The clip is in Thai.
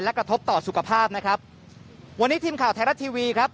กระทบต่อสุขภาพนะครับวันนี้ทีมข่าวไทยรัฐทีวีครับ